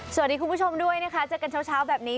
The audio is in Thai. สวัสดีคุณผู้ชมด้วยนะคะเจอกันเช้าเช้าแบบนี้